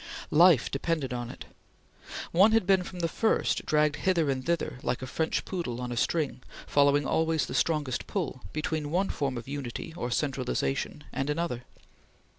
Life depended on it. One had been, from the first, dragged hither and thither like a French poodle on a string, following always the strongest pull, between one form of unity or centralization and another.